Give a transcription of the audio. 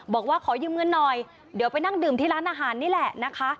บอกว่าขอยืมเงินหน่อยเดี๋ยวไปนั่งดื่มที่ร้านอาหารนี่แหละนะคะ